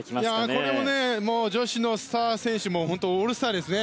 これも女子のスター選手もオールスターですね。